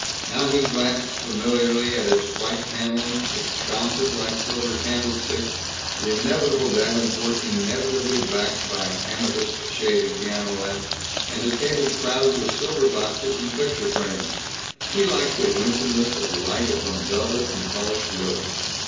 Now he glanced familiarly at its white paneling, its sconces like silver candlesticks, the inevitable davenport inevitably backed by an amethyst shaded piano lamp and a table crowded with silver boxes and picture frames. He liked the winsomeness of light upon velvet and polished wood.